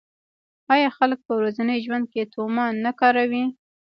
آیا خلک په ورځني ژوند کې تومان نه کاروي؟